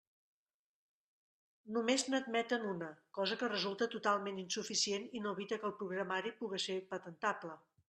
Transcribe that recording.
Només n'admeten una, cosa que resulta totalment insuficient i no evita que el programari puga ser patentable.